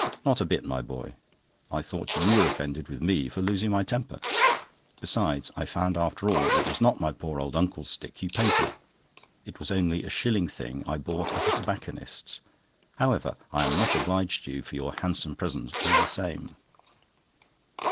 not a bit, my boy—I thought you were offended with me for losing my temper. Besides, I found after all, it was not my poor old uncle's stick you painted. It was only a shilling thing I bought at a tobacconist's. However, I am much obliged to you for your handsome present all same."